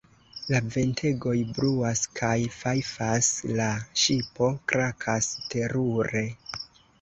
La ventegoj bruas kaj fajfas, la ŝipo krakas terure.